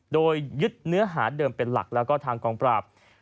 โดยยึดเนื้อหาเดิมเป็นหลักแล้วก็ทางกองปราบ